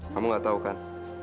kamu gak tahu kan